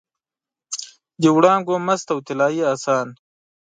د وړانګو مست او طلايي اسان